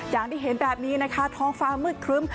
อย่างที่เห็นแบบนี้นะคะท้องฟ้ามืดครึ้ม